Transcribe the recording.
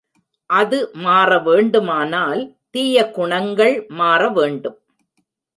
அது மாற வேண்டுமானால் தீய குணங்கள் மாற வேண்டும்.